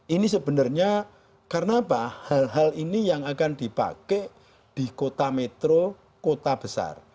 ini sebenarnya karena apa hal hal ini yang akan dipakai di kota metro kota besar